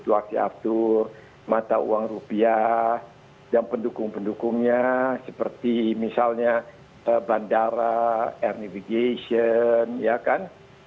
waktu diatur mata uang rupiah dan pendukung pendukungnya seperti misalnya bandara air navigation ya kan